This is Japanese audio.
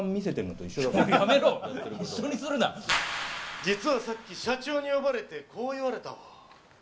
実はさっき社長に呼ばれて、こう言われたわ。